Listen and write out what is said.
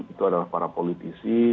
itu adalah para politisi